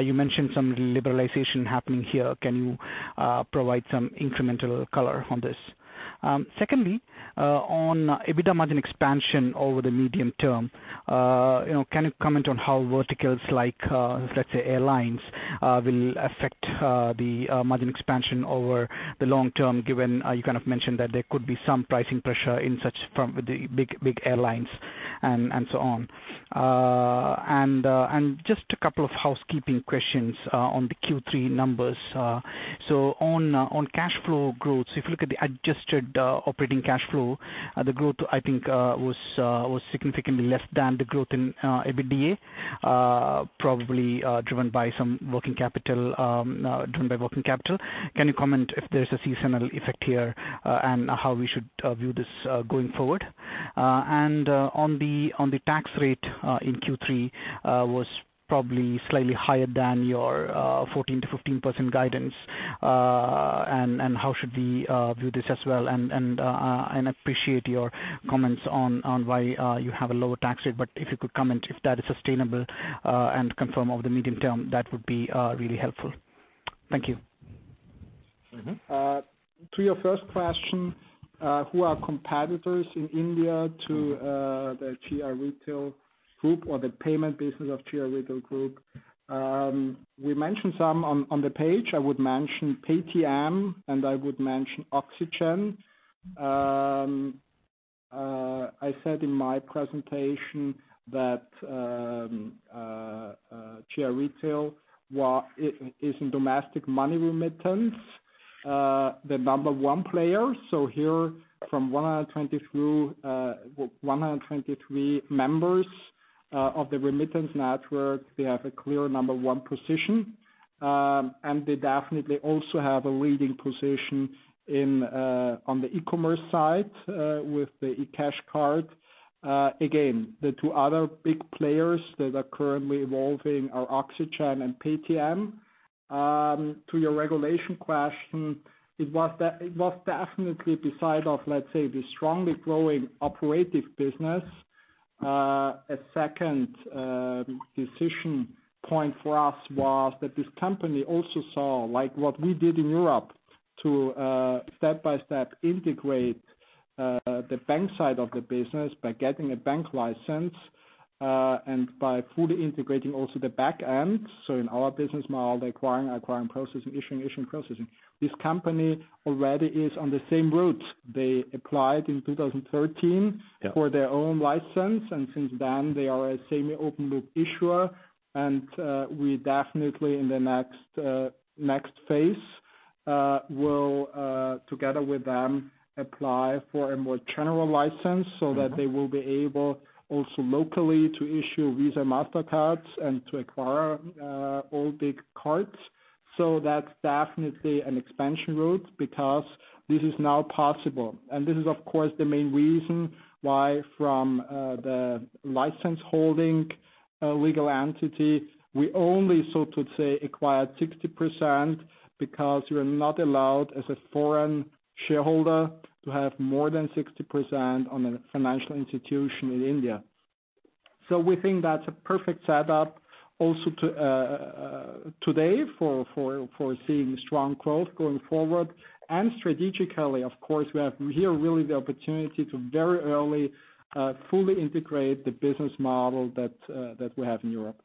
You mentioned some liberalization happening here. Can you provide some incremental color on this? Secondly, on EBITDA margin expansion over the medium term, can you comment on how verticals like, let's say airlines, will affect the margin expansion over the long term, given you kind of mentioned that there could be some pricing pressure in such from the big airlines and so on. Just a couple of housekeeping questions on the Q3 numbers. On cash flow growth, if you look at the adjusted operating cash flow, the growth, I think, was significantly less than the growth in EBITDA. Probably driven by working capital. Can you comment if there's a seasonal effect here, and how we should view this going forward? On the tax rate in Q3, was probably slightly higher than your 14%-15% guidance. How should we view this as well? Appreciate your comments on why you have a lower tax rate, but if you could comment if that is sustainable, and confirm over the medium term, that would be really helpful. Thank you. To your first question, who are competitors in India to the GI Retail Group or the payment business of GI Retail Group? We mentioned some on the page. I would mention Paytm, and I would mention Oxigen. I said in my presentation that GI Retail is in domestic money remittance, the number one player. Here from 123 members of the remittance network, they have a clear number one position. They definitely also have a leading position on the e-commerce side with the iCash Card. Again, the two other big players that are currently evolving are Oxigen and Paytm. To your regulation question, it was definitely beside of, let's say, the strongly growing operative business. A second decision point for us was that this company also saw like what we did in Europe to step-by-step integrate the bank side of the business by getting a bank license, and by fully integrating also the back end. In our business model, the acquiring processing, issuing processing. This company already is on the same route. They applied in 2013 Yeah for their own license, and since then they are a semi-open loop issuer. We definitely, in the next phase, will, together with them, apply for a more general license so that they will be able also locally to issue Visa, Mastercard and to acquire all big cards. That's definitely an expansion route because this is now possible. This is of course the main reason why from the license-holding legal entity, we only, so to say, acquired 60%, because you are not allowed as a foreign shareholder to have more than 60% on a financial institution in India. We think that's a perfect setup also today for seeing strong growth going forward. Strategically, of course, we have here really the opportunity to very early, fully integrate the business model that we have in Europe.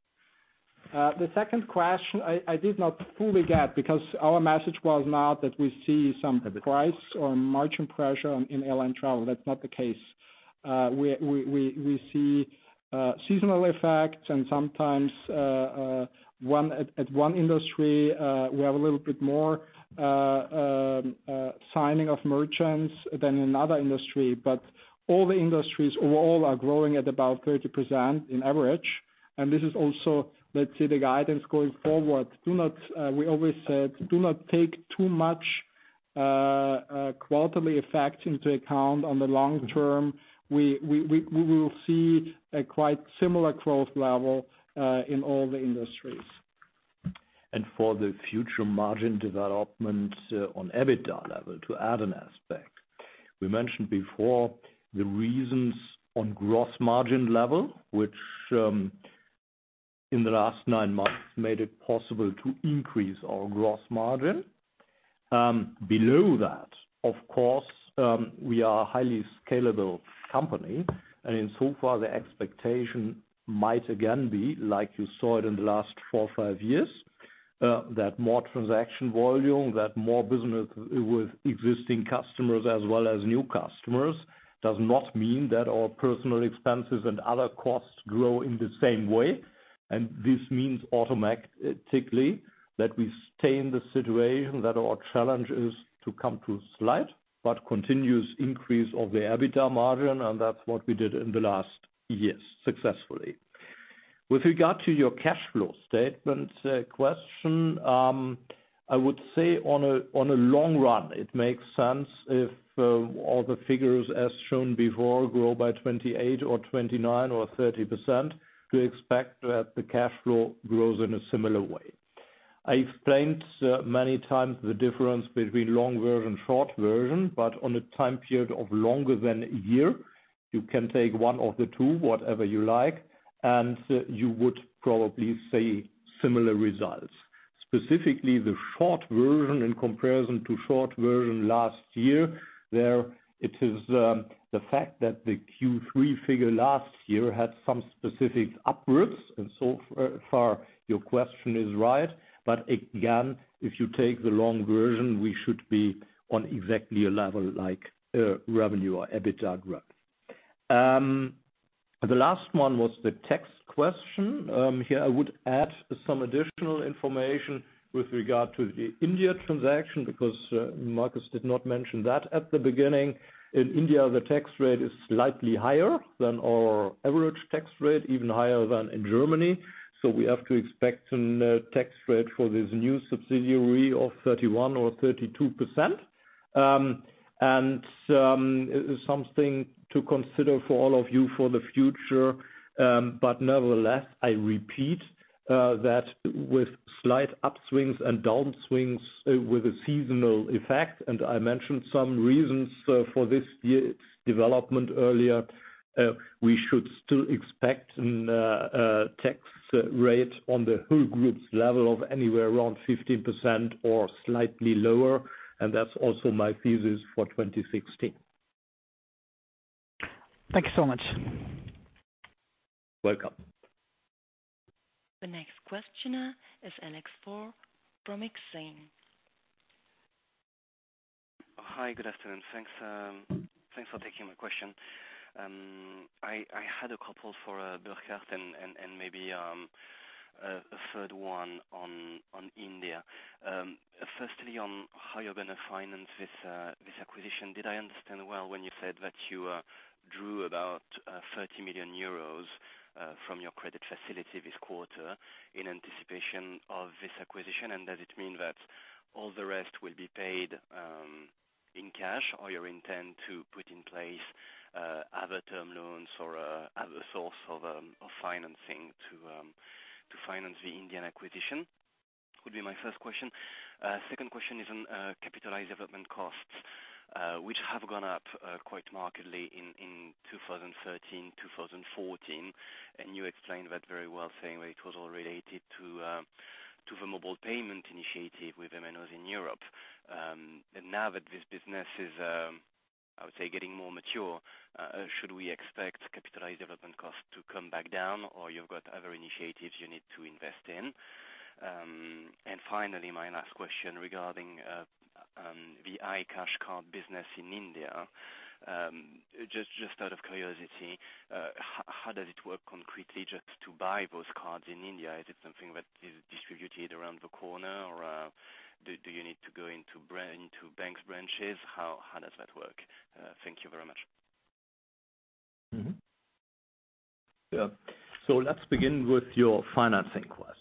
The second question I did not fully get because our message was not that we see some price or margin pressure in airline travel. That's not the case. We see seasonal effects and sometimes at one industry, we have a little bit more signing of merchants than another industry. All the industries overall are growing at about 30% on average. This is also, let's say, the guidance going forward. We always said, do not take too much quarterly effect into account on the long term. We will see a quite similar growth level in all the industries. For the future margin development on EBITDA level, to add an aspect. We mentioned before the reasons on gross margin level, which in the last nine months made it possible to increase our gross margin. Below that, of course, we are a highly scalable company, and in so far, the expectation might again be like you saw it in the last four or five years, that more transaction volume, that more business with existing customers as well as new customers, does not mean that our personal expenses and other costs grow in the same way. This means automatically that we stay in the situation that our challenge is to come to slight but continuous increase of the EBITDA margin, and that's what we did in the last years successfully. With regard to your cash flow statement question, I would say on a long run, it makes sense if all the figures as shown before grow by 28% or 29% or 30%, to expect that the cash flow grows in a similar way. I explained many times the difference between long version, short version, but on a time period of longer than a year, you can take one of the two, whatever you like, and you would probably see similar results. Specifically, the short version in comparison to short version last year, there it is the fact that the Q3 figure last year had some specific upwards, and so far your question is right. Again, if you take the long version, we should be on exactly a level like revenue or EBITDA growth. The last one was the tax question. Here I would add some additional information with regard to the India transaction, because Markus did not mention that at the beginning. In India, the tax rate is slightly higher than our average tax rate, even higher than in Germany. We have to expect a tax rate for this new subsidiary of 31% or 32%. Something to consider for all of you for the future, but nevertheless, I repeat that with slight upswings and downswings with a seasonal effect, and I mentioned some reasons for this year's development earlier. We should still expect a tax rate on the whole group's level of anywhere around 15% or slightly lower, and that's also my thesis for 2016. Thank you so much. Welcome. The next questioner is Alex Foer from Exane. Hi, good afternoon. Thanks for taking my question. I had a couple for Burkhard and maybe a third one on India. Firstly, on how you're going to finance this acquisition. Did I understand well when you said that you drew about 30 million euros from your credit facility this quarter in anticipation of this acquisition? Does it mean that all the rest will be paid in cash, or you intend to put in place other term loans or other source of financing to finance the Indian acquisition? Would be my first question. Second question is on capitalized development costs, which have gone up quite markedly in 2013, 2014. You explained that very well, saying that it was all related to the mobile payment initiative with MNOs in Europe. Now that this business is, I would say, getting more mature, should we expect capitalized development costs to come back down, or you've got other initiatives you need to invest in? Finally, my last question regarding the iCash Card business in India. Just out of curiosity, how does it work concretely just to buy those cards in India? Is it something that is distributed around the corner, or do you need to go into bank branches? How does that work? Thank you very much. Yeah. Let's begin with your financing question.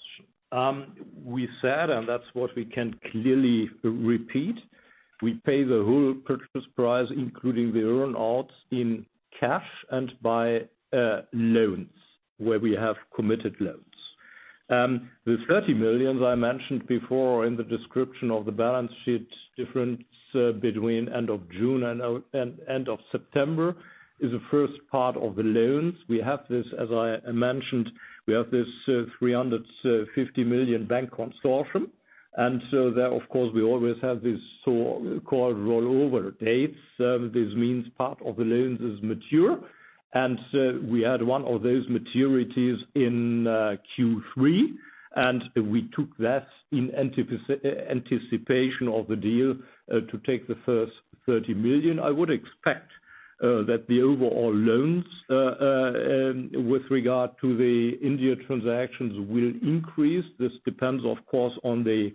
We said, and that's what we can clearly repeat, we pay the whole purchase price, including the earn-outs, in cash and by loans, where we have committed loans. The 30 million that I mentioned before in the description of the balance sheets difference between end of June and end of September is the first part of the loans. As I mentioned, we have this 350 million bank consortium. There, of course, we always have these so-called rollover dates. This means part of the loans is mature. We had one of those maturities in Q3, and we took that in anticipation of the deal to take the first 30 million. I would expect that the overall loans with regard to the India transactions will increase. This depends, of course, on the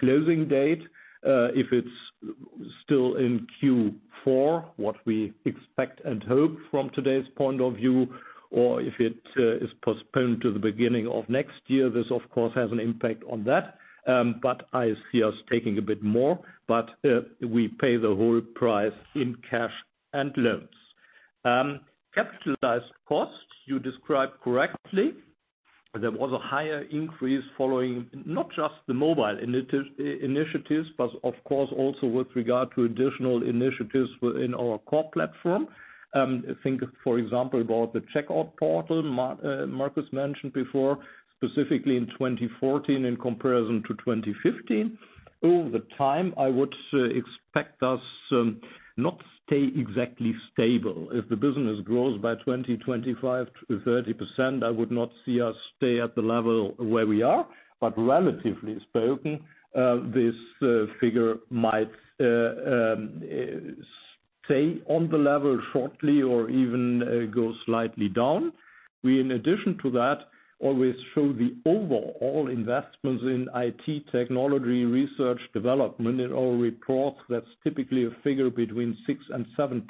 closing date. If it's still in Q4, what we expect and hope from today's point of view, or if it is postponed to the beginning of next year, this, of course, has an impact on that. But I see us taking a bit more, but we pay the whole price in cash and loans. Capitalized costs, you described correctly. There was a higher increase following not just the mobile initiatives, but of course also with regard to additional initiatives within our core platform. Think, for example, about the Wirecard Checkout Portal Markus Braun mentioned before, specifically in 2014 in comparison to 2015. Over time, I would expect us not stay exactly stable. If the business grows by 20%, 25% to 30%, I would not see us stay at the level where we are, but relatively spoken, this figure might stay on the level shortly or even go slightly down. We, in addition to that, always show the overall investments in IT, technology, research, development. In our reports, that's typically a figure between 6% and 7%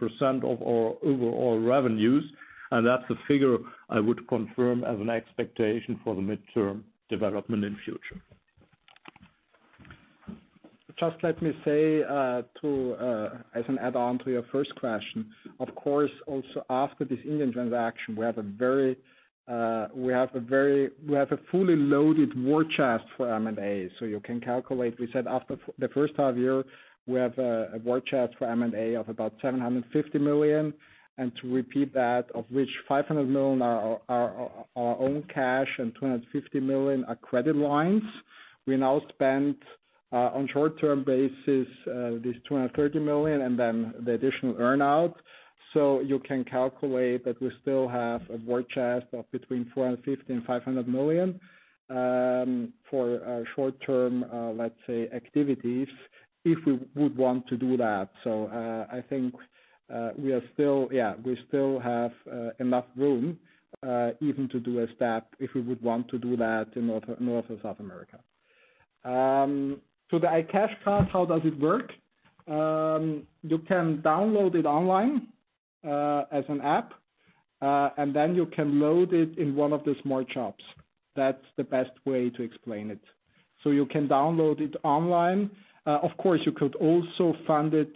of our overall revenues. That's a figure I would confirm as an expectation for the midterm development in future. Just let me say as an add-on to your first question, of course, also after this Indian transaction, we have a fully loaded war chest for M&A. You can calculate, we said after the first half year, we have a war chest for M&A of about 750 million. To repeat that, of which 500 million are our own cash and 250 million are credit lines. We now spend, on short-term basis, this 230 million and then the additional earn-out. You can calculate that we still have a war chest of between 450 million and 500 million for short-term, let's say, activities, if we would want to do that. I think we still have enough room even to do a step, if we would want to do that in North or South America. The iCash card, how does it work? You can download it online as an app, then you can load it in one of the smart shops. That's the best way to explain it. You can download it online. Of course, you could also fund it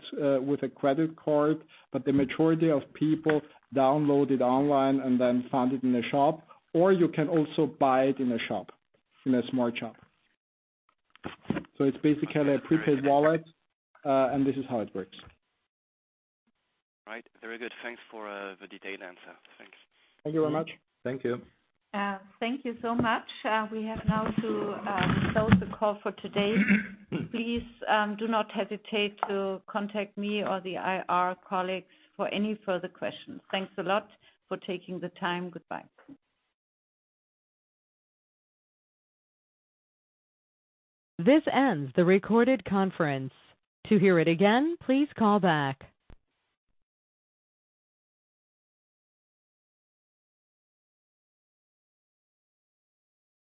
with a credit card, the majority of people download it online and then fund it in a shop, you can also buy it in a shop, in a smart shop. It's basically a prepaid wallet, and this is how it works. Right. Very good. Thanks for the detailed answer. Thanks. Thank you very much. Thank you. Thank you so much. We have now to close the call for today. Please do not hesitate to contact me or the IR colleagues for any further questions. Thanks a lot for taking the time. Goodbye. This ends the recorded conference. To hear it again, please call back.